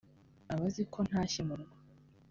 aba azi ko ntashye mu rugo